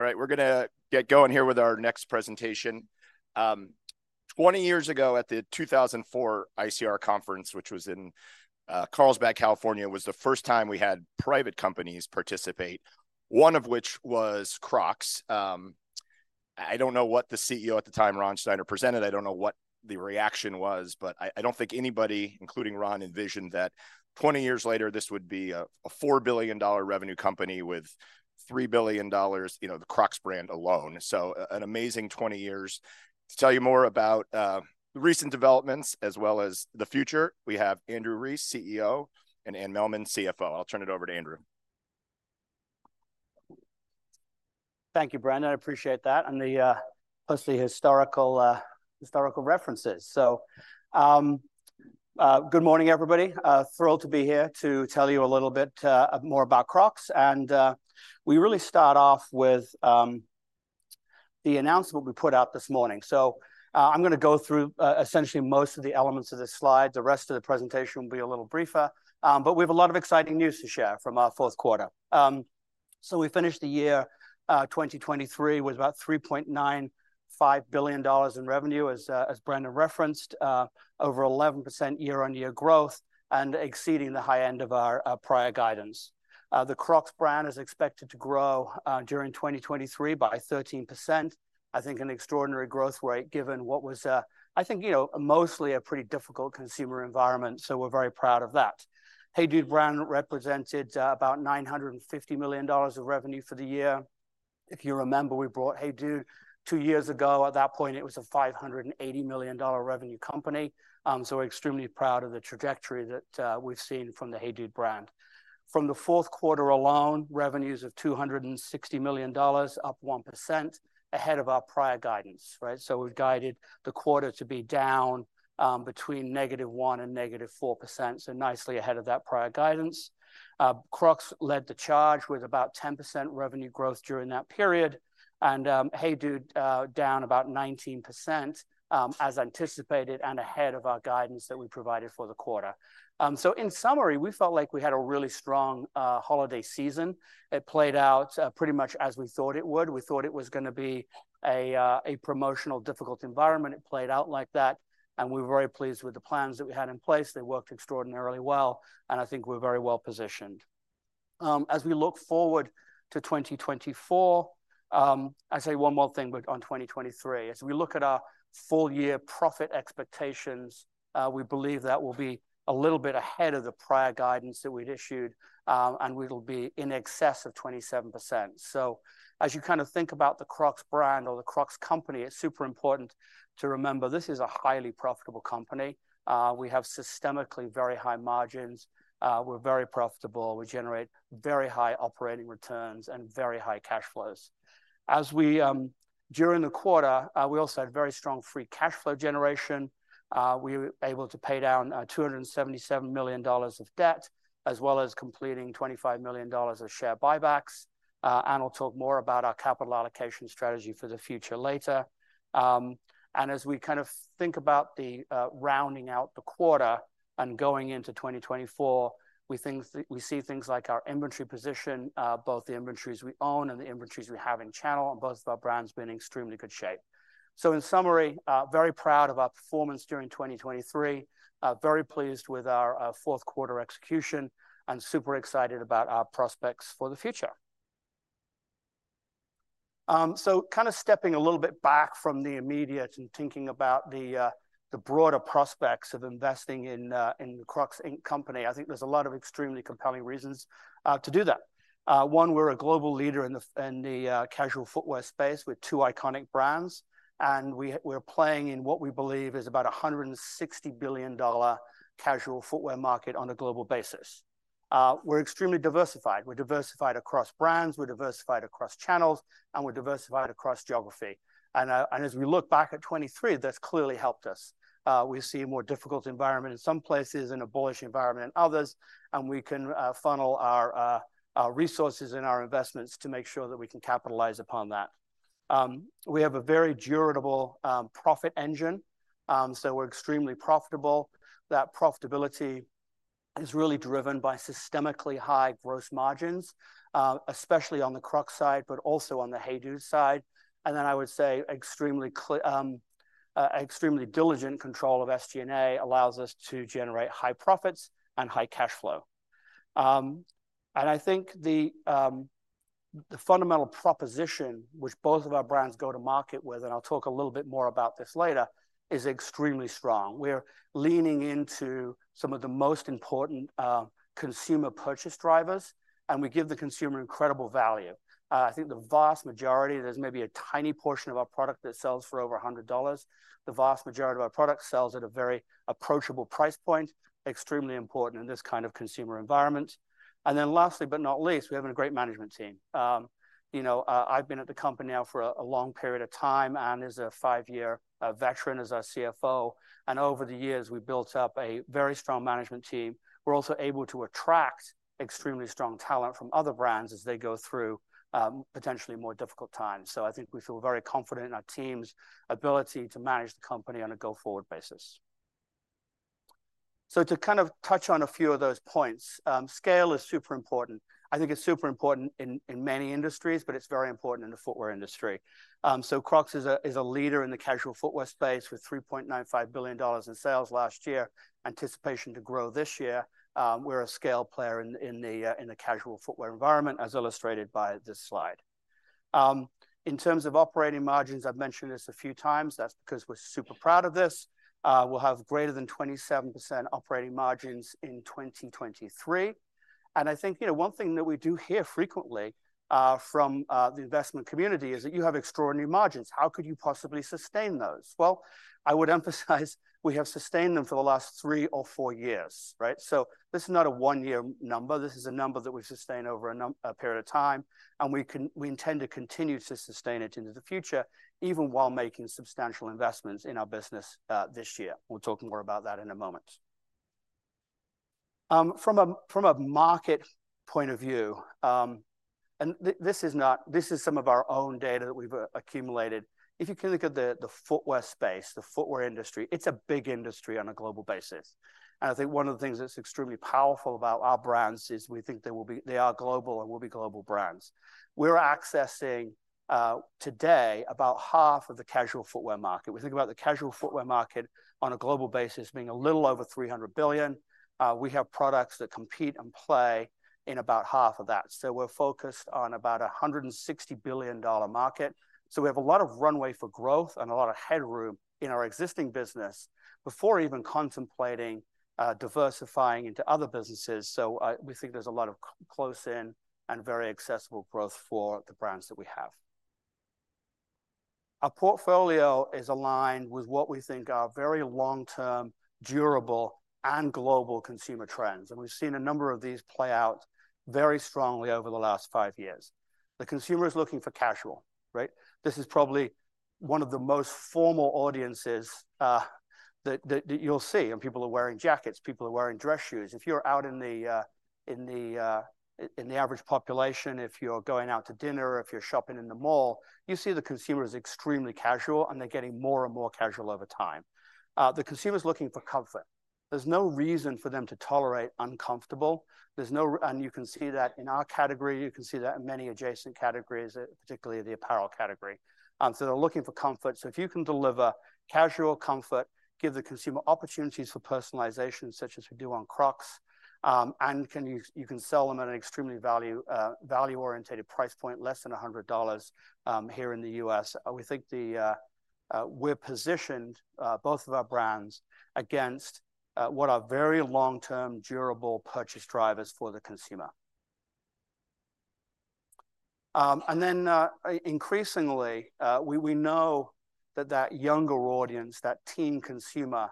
All right, we're gonna get going here with our next presentation. Twenty years ago, at the 2004 ICR conference, which was in Carlsbad, California, was the first time we had private companies participate, one of which was Crocs. I don't know what the CEO at the time, Ron Snyder, presented. I don't know what the reaction was, but I don't think anybody, including Ron, envisioned that 20 years later, this would be a $4 billion revenue company with $3 billion, you know, the Crocs brand alone. So an amazing 20 years. To tell you more about recent developments, as well as the future, we have Andrew Rees, CEO, and Anne Mehlman, CFO. I'll turn it over to Andrew. Thank you, Brendon. I appreciate that, and the mostly historical references. Good morning, everybody. Thrilled to be here to tell you a little bit more about Crocs, and we really start off with the announcement we put out this morning. So, I'm gonna go through essentially most of the elements of this slide. The rest of the presentation will be a little briefer, but we have a lot of exciting news to share from our fourth quarter. So we finished the year 2023 with about $3.95 billion in revenue, as Brendon referenced, over 11% year-on-year growth, and exceeding the high end of our prior guidance. The Crocs brand is expected to grow during 2023 by 13%. I think an extraordinary growth rate, given what was a, I think, you know, mostly a pretty difficult consumer environment, so we're very proud of that. HEYDUDE brand represented about $950 million of revenue for the year. If you remember, we bought HEYDUDE two years ago. At that point, it was a $580 million revenue company. So we're extremely proud of the trajectory that we've seen from the HEYDUDE brand. From the fourth quarter alone, revenues of $260 million, up 1%, ahead of our prior guidance, right? So we've guided the quarter to be down between -1% and -4%, so nicely ahead of that prior guidance. Crocs led the charge with about 10% revenue growth during that period, and HEYDUDE down about 19% as anticipated and ahead of our guidance that we provided for the quarter. So in summary, we felt like we had a really strong holiday season. It played out pretty much as we thought it would. We thought it was gonna be a promotional difficult environment. It played out like that, and we were very pleased with the plans that we had in place. They worked extraordinarily well, and I think we're very well-positioned. As we look forward to 2024, I'll say one more thing with on 2023. As we look at our full year profit expectations, we believe that will be a little bit ahead of the prior guidance that we'd issued, and we'll be in excess of 27%. So as you kind of think about the Crocs brand or the Crocs company, it's super important to remember this is a highly profitable company. We have systemically very high margins. We're very profitable. We generate very high operating returns and very high cash flows. During the quarter, we also had very strong free cash flow generation. We were able to pay down $277 million of debt, as well as completing $25 million of share buybacks. Anne will talk more about our capital allocation strategy for the future later. And as we kind of think about the rounding out the quarter and going into 2024, we see things like our inventory position, both the inventories we own and the inventories we have in channel, and both of our brands be in extremely good shape. So in summary, very proud of our performance during 2023. Very pleased with our fourth quarter execution, and super excited about our prospects for the future. So kind of stepping a little bit back from the immediate and thinking about the broader prospects of investing in Crocs, Inc. company, I think there's a lot of extremely compelling reasons to do that. One, we're a global leader in the casual footwear space with two iconic brands, and we're playing in what we believe is about a $160 billion casual footwear market on a global basis. We're extremely diversified. We're diversified across brands, we're diversified across channels, and we're diversified across geography. And as we look back at 2023, that's clearly helped us. We see a more difficult environment in some places and a bullish environment in others, and we can funnel our resources and our investments to make sure that we can capitalize upon that. We have a very durable profit engine, so we're extremely profitable. That profitability is really driven by systematically high gross margins, especially on the Crocs side, but also on the HEYDUDE side. And then, I would say extremely diligent control of SG&A allows us to generate high profits and high cash flow. And I think the fundamental proposition, which both of our brands go to market with, and I'll talk a little bit more about this later, is extremely strong. We're leaning into some of the most important, consumer purchase drivers, and we give the consumer incredible value. I think the vast majority, there's maybe a tiny portion of our product that sells for over $100. The vast majority of our product sells at a very approachable price point, extremely important in this kind of consumer environment. And then lastly, but not least, we have a great management team. You know, I've been at the company now for a long period of time, Anne is a five-year veteran as our CFO, and over the years, we've built up a very strong management team. We're also able to attract extremely strong talent from other brands as they go through potentially more difficult times. So I think we feel very confident in our team's ability to manage the company on a go-forward basis. So to kind of touch on a few of those points, scale is super important. I think it's super important in many industries, but it's very important in the footwear industry. So Crocs is a leader in the casual footwear space, with $3.95 billion in sales last year, anticipation to grow this year. We're a scale player in the casual footwear environment, as illustrated by this slide. In terms of operating margins, I've mentioned this a few times, that's because we're super proud of this. We'll have greater than 27% operating margins in 2023. And I think, you know, one thing that we do hear frequently from the investment community, is that, "You have extraordinary margins. How could you possibly sustain those?" Well, I would emphasize we have sustained them for the last three or four years, right? So this is not a one-year number. This is a number that we've sustained over a period of time, and we intend to continue to sustain it into the future, even while making substantial investments in our business this year. We'll talk more about that in a moment. From a market point of view, this is some of our own data that we've accumulated. If you can look at the footwear space, the footwear industry, it's a big industry on a global basis. And I think one of the things that's extremely powerful about our brands is we think they will be—they are global and will be global brands. We're accessing today, about half of the casual footwear market. We think about the casual footwear market on a global basis being a little over $300 billion. We have products that compete and play in about half of that. So we're focused on about a $160 billion market. So we have a lot of runway for growth and a lot of headroom in our existing business before even contemplating, diversifying into other businesses. So, we think there's a lot of close in and very accessible growth for the brands that we have. Our portfolio is aligned with what we think are very long-term, durable, and global consumer trends, and we've seen a number of these play out very strongly over the last five years. The consumer is looking for casual, right? This is probably one of the most formal audiences, that you'll see, and people are wearing jackets, people are wearing dress shoes. If you're out in the average population, if you're going out to dinner, or if you're shopping in the mall, you see the consumer is extremely casual, and they're getting more and more casual over time. The consumer's looking for comfort. There's no reason for them to tolerate uncomfortable, and you can see that in our category. You can see that in many adjacent categories, particularly the apparel category. So they're looking for comfort. So if you can deliver casual comfort, give the consumer opportunities for personalization, such as we do on Crocs, and you can sell them at an extremely value-oriented price point, less than $100, here in the U.S. We think the... We're positioned both of our brands against what are very long-term, durable purchase drivers for the consumer. And then increasingly we know that that younger audience, that teen consumer,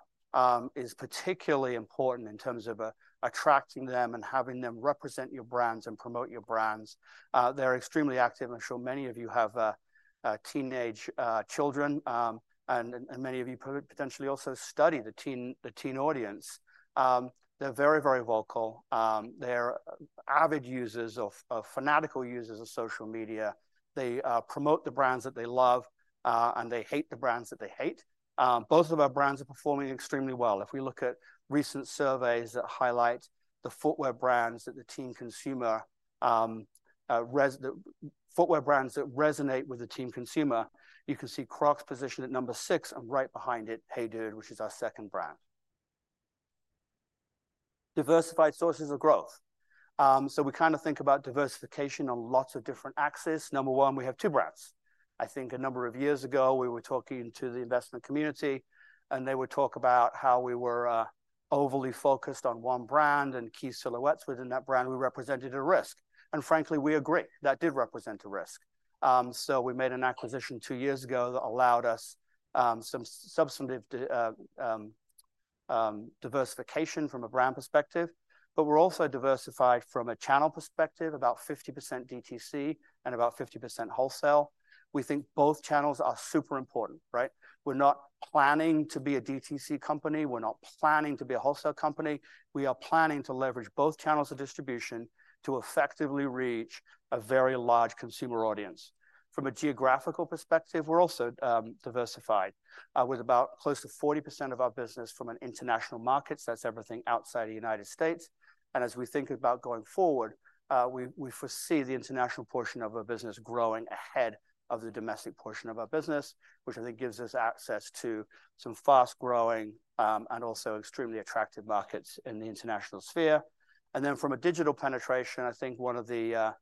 is particularly important in terms of attracting them and having them represent your brands and promote your brands. They're extremely active. I'm sure many of you have teenage children, and many of you potentially also study the teen audience. They're very, very vocal. They're avid, fanatical users of social media. They promote the brands that they love, and they hate the brands that they hate. Both of our brands are performing extremely well. If we look at recent surveys that highlight the footwear brands that resonate with the teen consumer, you can see Crocs positioned at number 6, and right behind it, HEYDUDE, which is our second brand. Diversified sources of growth. So we kind of think about diversification on lots of different axes. Number one, we have two brands. I think a number of years ago, we were talking to the investment community, and they would talk about how we were overly focused on one brand and key silhouettes within that brand. We represented a risk, and frankly, we agree, that did represent a risk. So we made an acquisition two years ago that allowed us some substantive diversification from a brand perspective. But we're also diversified from a channel perspective, about 50% DTC and about 50% wholesale. We think both channels are super important, right? We're not planning to be a DTC company. We're not planning to be a wholesale company. We are planning to leverage both channels of distribution to effectively reach a very large consumer audience. From a geographical perspective, we're also diversified with about close to 40% of our business from international markets. That's everything outside of the United States. And as we think about going forward, we foresee the international portion of our business growing ahead of the domestic portion of our business, which I think gives us access to some fast-growing and also extremely attractive markets in the international sphere. From a digital penetration, I think one of the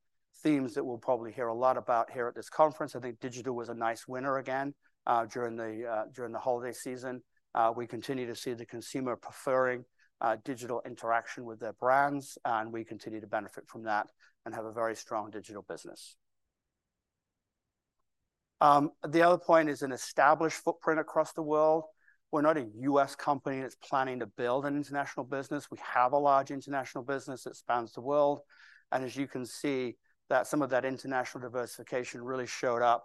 themes that we'll probably hear a lot about here at this conference. I think digital was a nice winner again during the holiday season. We continue to see the consumer preferring digital interaction with their brands, and we continue to benefit from that and have a very strong digital business. The other point is an established footprint across the world. We're not a U.S. company that's planning to build an international business. We have a large international business that spans the world, and as you can see, that some of that international diversification really showed up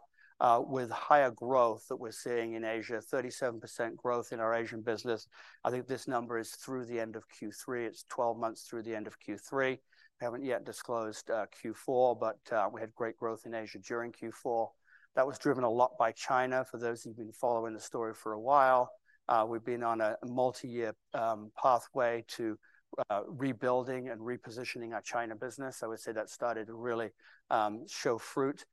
with higher growth that we're seeing in Asia, 37% growth in our Asian business. I think this number is through the end of Q3. It's 12 months through the end of Q3. We haven't yet disclosed Q4, but we had great growth in Asia during Q4. That was driven a lot by China. For those who've been following the story for a while, we've been on a multi-year pathway to rebuilding and repositioning our China business. I would say that started to really show fruit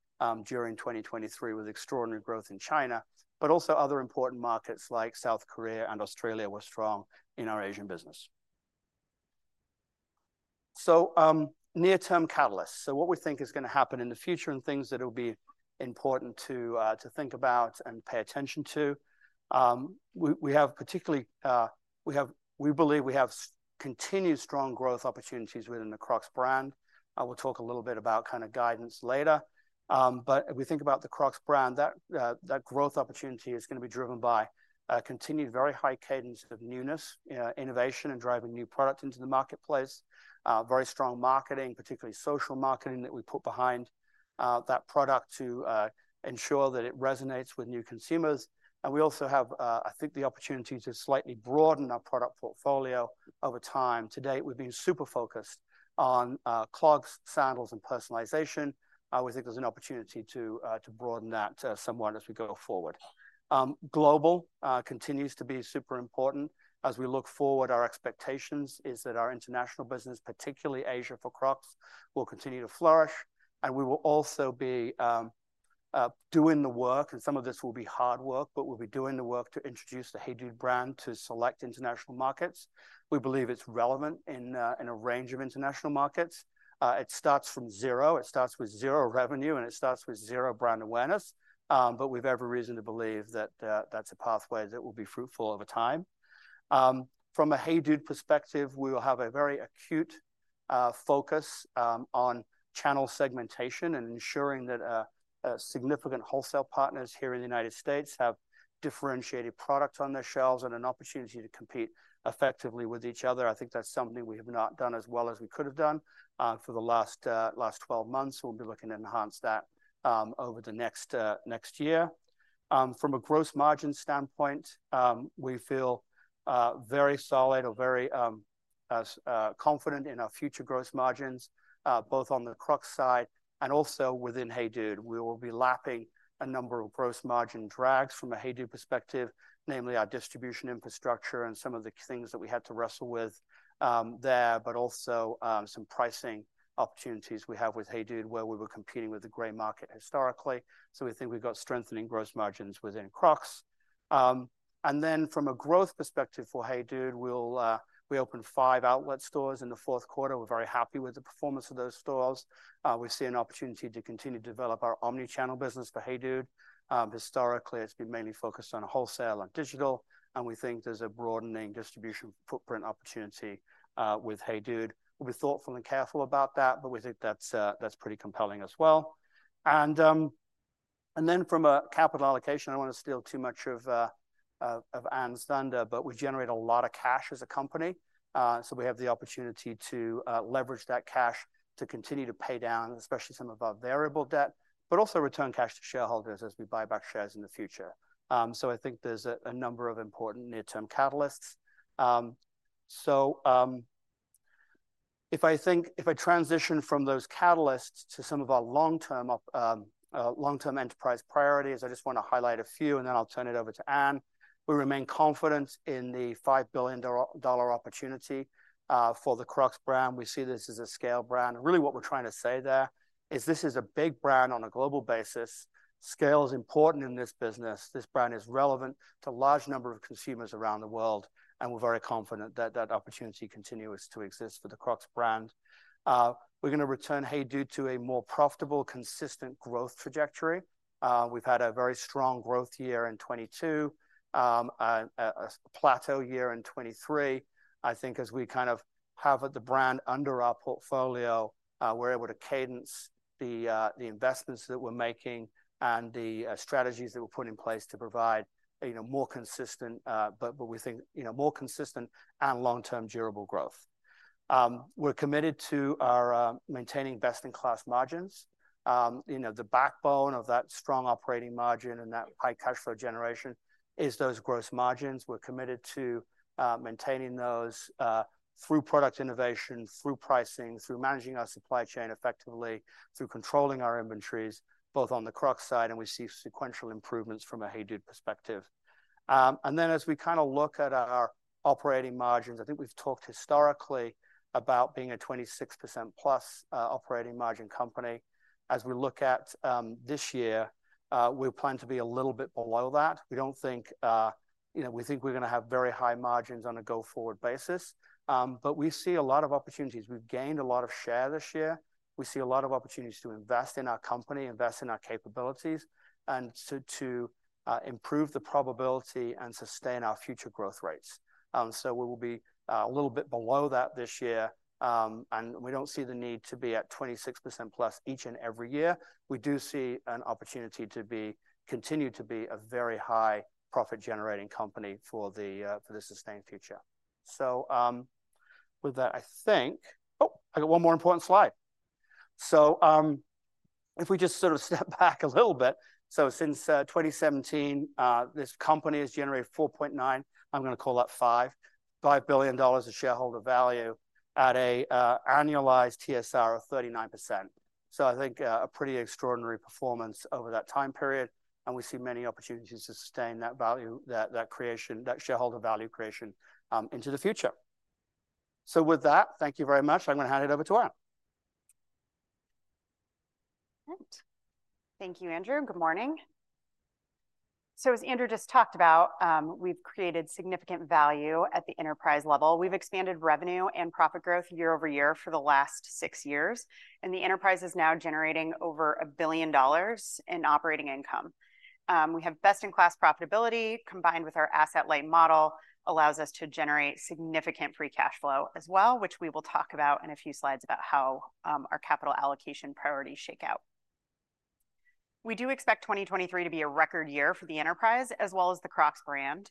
during 2023 with extraordinary growth in China, but also other important markets like South Korea and Australia were strong in our Asian business. So, near-term catalysts. So what we think is gonna happen in the future, and things that it'll be important to think about and pay attention to. We believe we have continued strong growth opportunities within the Crocs brand. We'll talk a little bit about kind of guidance later. But if we think about the Crocs brand, that, that growth opportunity is gonna be driven by a continued very high cadence of newness, innovation, and driving new product into the marketplace. Very strong marketing, particularly social marketing, that we put behind, that product to, ensure that it resonates with new consumers. And we also have, I think, the opportunity to slightly broaden our product portfolio over time. To date, we've been super focused on, clogs, sandals, and personalization. We think there's an opportunity to, to broaden that, somewhat as we go forward. Global, continues to be super important. As we look forward, our expectations is that our international business, particularly Asia, for Crocs, will continue to flourish. We will also be doing the work, and some of this will be hard work, but we'll be doing the work to introduce the HEYDUDE brand to select international markets. We believe it's relevant in a range of international markets. It starts from zero. It starts with zero revenue, and it starts with zero brand awareness. But we've every reason to believe that that's a pathway that will be fruitful over time. From a HEYDUDE perspective, we will have a very acute focus on channel segmentation and ensuring that significant wholesale partners here in the United States have differentiated products on their shelves and an opportunity to compete effectively with each other. I think that's something we have not done as well as we could have done for the last 12 months. We'll be looking to enhance that over the next year. From a gross margin standpoint, we feel very solid or very confident in our future gross margins both on the Crocs side and also within HEYDUDE. We will be lapping a number of gross margin drags from a HEYDUDE perspective, namely our distribution infrastructure and some of the things that we had to wrestle with there, but also some pricing opportunities we have with HEYDUDE, where we were competing with the gray market historically. So we think we've got strengthening gross margins within Crocs. And then from a growth perspective for HEYDUDE, we'll... We opened 5 outlet stores in the fourth quarter. We're very happy with the performance of those stores. We see an opportunity to continue to develop our omni-channel business for HEYDUDE. Historically, it's been mainly focused on wholesale and digital, and we think there's a broadening distribution footprint opportunity with HEYDUDE. We'll be thoughtful and careful about that, but we think that's pretty compelling as well. And then from a capital allocation, I don't wanna steal too much of Anne's thunder, but we generate a lot of cash as a company. So we have the opportunity to leverage that cash to continue to pay down, especially some of our variable debt, but also return cash to shareholders as we buy back shares in the future. So I think there's a number of important near-term catalysts. If I transition from those catalysts to some of our long-term enterprise priorities, I just wanna highlight a few, and then I'll turn it over to Anne. We remain confident in the $5 billion dollar opportunity for the Crocs brand. We see this as a scale brand. And really, what we're trying to say there, is this is a big brand on a global basis. Scale is important in this business. This brand is relevant to a large number of consumers around the world, and we're very confident that that opportunity continues to exist for the Crocs brand. We're gonna return HEYDUDE to a more profitable, consistent growth trajectory. We've had a very strong growth year in 2022, and a plateau year in 2023. I think as we kind of have the brand under our portfolio, we're able to cadence the investments that we're making and the strategies that were put in place to provide, you know, more consistent, but we think, you know, more consistent and long-term durable growth. We're committed to our maintaining best-in-class margins. You know, the backbone of that strong operating margin and that high cash flow generation is those gross margins. We're committed to maintaining those through product innovation, through pricing, through managing our supply chain effectively, through controlling our inventories, both on the Crocs side, and we see sequential improvements from a HEYDUDE perspective. And then as we kind of look at our operating margins, I think we've talked historically about being a 26% plus operating margin company. As we look at this year, we plan to be a little bit below that. We don't think... You know, we think we're gonna have very high margins on a go-forward basis, but we see a lot of opportunities. We've gained a lot of share this year. We see a lot of opportunities to invest in our company, invest in our capabilities, and so to improve the probability and sustain our future growth rates. So we will be a little bit below that this year, and we don't see the need to be at 26%+ each and every year. We do see an opportunity to continue to be a very high profit-generating company for the for the sustained future. So, with that, I think... Oh, I got one more important slide. So, if we just sort of step back a little bit, so since 2017, this company has generated $4.9 billion, I'm gonna call that $5.5 billion of shareholder value at a annualized TSR of 39%. So I think, a pretty extraordinary performance over that time period, and we see many opportunities to sustain that value, that, that creation, that shareholder value creation, into the future. So with that, thank you very much. I'm gonna hand it over to Anne. Thank you, Andrew. Good morning. So as Andrew just talked about, we've created significant value at the enterprise level. We've expanded revenue and profit growth year-over-year for the last six years, and the enterprise is now generating over $1 billion in operating income. We have best-in-class profitability, combined with our asset-Light Model, allows us to generate significant free cash flow as well, which we will talk about in a few slides about how our capital allocation priorities shake out. We do expect 2023 to be a record year for the enterprise, as well as the Crocs brand.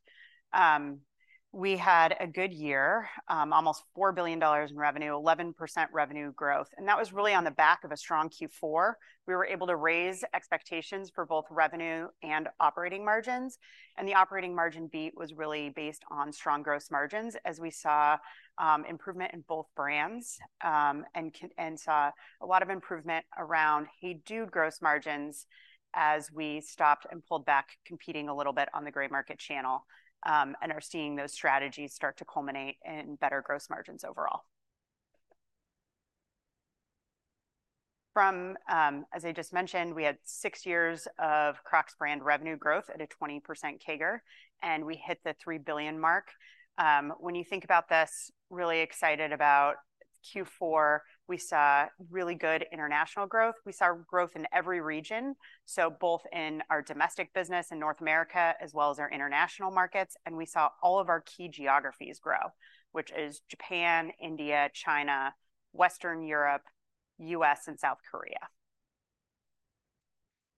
We had a good year, almost $4 billion in revenue, 11% revenue growth, and that was really on the back of a strong Q4. We were able to raise expectations for both revenue and operating margins, and the operating margin beat was really based on strong gross margins as we saw, improvement in both brands, and saw a lot of improvement around HEYDUDE gross margins as we stopped and pulled back, competing a little bit on the gray market channel, and are seeing those strategies start to culminate in better gross margins overall. From, as I just mentioned, we had six years of Crocs brand revenue growth at a 20% CAGR, and we hit the $3 billion mark. When you think about this, really excited about Q4. We saw really good international growth. We saw growth in every region, so both in our domestic business in North America as well as our international markets, and we saw all of our key geographies grow, which is Japan, India, China, Western Europe, U.S., and South Korea.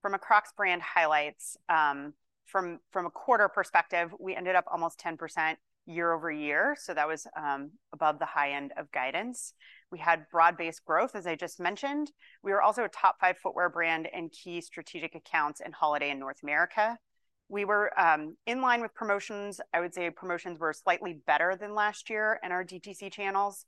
From a Crocs brand highlights, from a quarter perspective, we ended up almost 10% year-over-year, so that was above the high end of guidance. We had broad-based growth, as I just mentioned. We were also a top five footwear brand in key strategic accounts in holiday in North America. We were in line with promotions. I would say promotions were slightly better than last year in our DTC channels.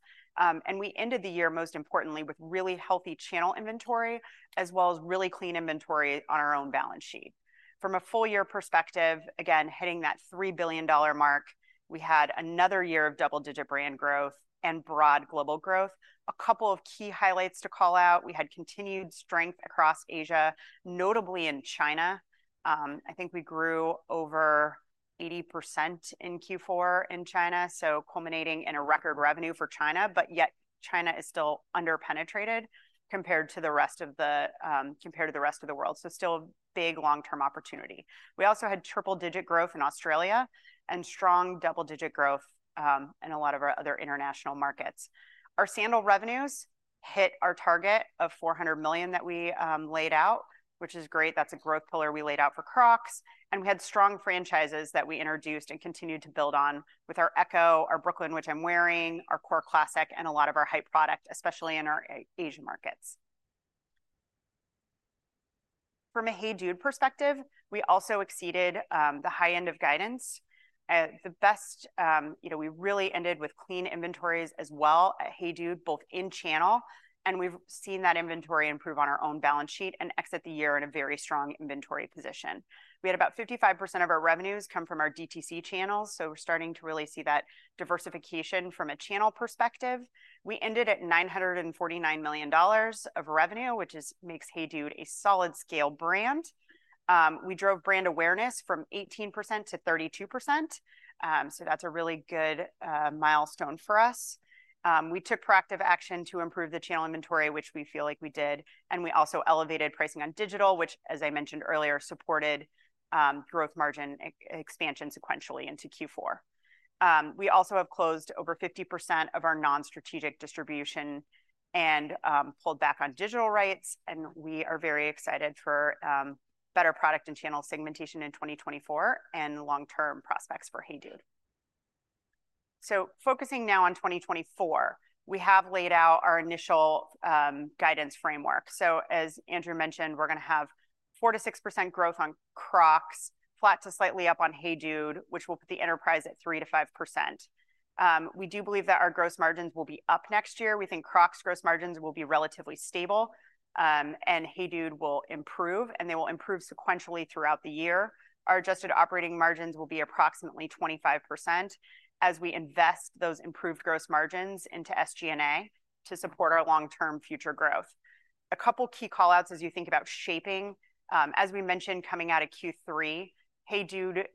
We ended the year, most importantly, with really healthy channel inventory, as well as really clean inventory on our own balance sheet. From a full year perspective, again, hitting that $3 billion mark, we had another year of double-digit brand growth and broad global growth. A couple of key highlights to call out: we had continued strength across Asia, notably in China. I think we grew over 80% in Q4 in China, so culminating in a record revenue for China, but yet China is still under-penetrated compared to the rest of the world. So still a big long-term opportunity. We also had triple-digit growth in Australia and strong double-digit growth in a lot of our other international markets. Our sandal revenues hit our target of $400 million that we laid out, which is great. That's a growth pillar we laid out for Crocs, and we had strong franchises that we introduced and continued to build on with our Echo, our Brooklyn, which I'm wearing, our core Classic, and a lot of our hype product, especially in our Asian markets. From a HEYDUDE perspective, we also exceeded the high end of guidance. You know, we really ended with clean inventories as well at HEYDUDE, both in-channel, and we've seen that inventory improve on our own balance sheet and exit the year in a very strong inventory position. We had about 55% of our revenues come from our DTC channels, so we're starting to really see that diversification from a channel perspective. We ended at $949 million of revenue, which makes HEYDUDE a solid scale brand. We drove brand awareness from 18% to 32%, so that's a really good milestone for us. We took proactive action to improve the channel inventory, which we feel like we did, and we also elevated pricing on digital, which, as I mentioned earlier, supported growth margin expansion sequentially into Q4. We also have closed over 50% of our non-strategic distribution and pulled back on digital rights, and we are very excited for better product and channel segmentation in 2024 and long-term prospects for HEYDUDE. So focusing now on 2024, we have laid out our initial guidance framework. So as Andrew mentioned, we're gonna have 4%-6% growth on Crocs, flat to slightly up on HEYDUDE, which will put the enterprise at 3%-5%. We do believe that our gross margins will be up next year. We think Crocs gross margins will be relatively stable, and HEYDUDE will improve, and they will improve sequentially throughout the year. Our adjusted operating margins will be approximately 25% as we invest those improved gross margins into SG&A to support our long-term future growth. A couple key call-outs as you think about shaping, as we mentioned, coming out of Q3, HEYDUDE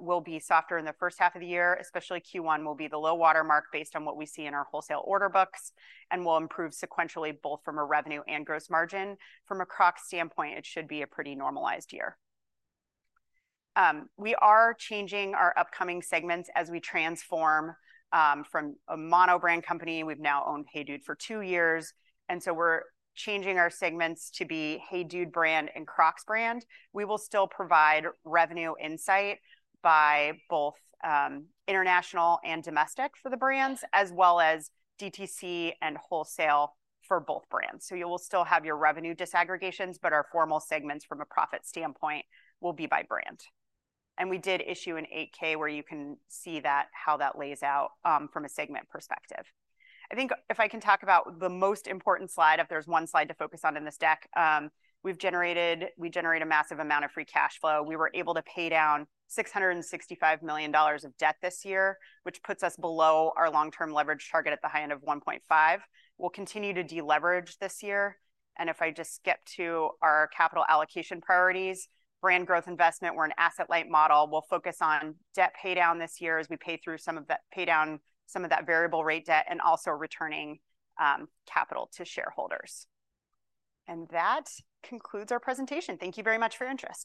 will be softer in the first half of the year, especially Q1 will be the low water mark based on what we see in our wholesale order books and will improve sequentially, both from a revenue and gross margin. From a Crocs standpoint, it should be a pretty normalized year. We are changing our upcoming segments as we transform from a mono-brand company. We've now owned HEYDUDE for two years, and so we're changing our segments to be HEYDUDE brand and Crocs brand. We will still provide revenue insight by both, international and domestic for the brands, as well as DTC and wholesale for both brands. You will still have your revenue disaggregations, but our formal segments from a profit standpoint will be by brand. We did issue an 8-K, where you can see that, how that lays out, from a segment perspective. I think if I can talk about the most important slide, if there's one slide to focus on in this deck, we generate a massive amount of free cash flow. We were able to pay down $665 million of debt this year, which puts us below our long-term leverage target at the high end of 1.5. We'll continue to deleverage this year, and if I just skip to our capital allocation priorities, brand growth investment, we're an Asset-Light Model. We'll focus on debt paydown this year as we pay down some of that variable rate debt and also returning capital to shareholders. That concludes our presentation. Thank you very much for your interest!